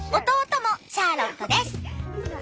弟もシャーロットです。